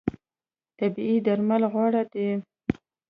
طبیعي درمل غوره دي.